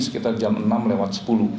sekitar jam enam lewat sepuluh